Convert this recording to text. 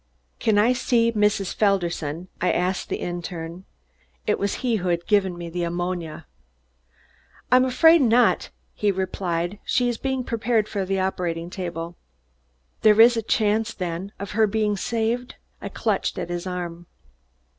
"Can I see Mrs. Felderson?" I asked the interne. It was he who had given me the ammonia. "I'm afraid not," he replied. "She is being prepared for the operating table." "There is a chance, then, of her being saved?" I clutched at his arm.